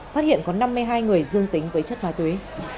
phát hiện có năm mươi hai người dương tính với chất ma túy